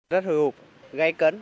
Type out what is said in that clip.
rất hư hụt gây cấn